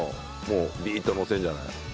ビーッとのせるんじゃない？